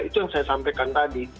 itu yang saya sampaikan tadi